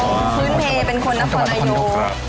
คืนเพรย์เป็นคนนครนยก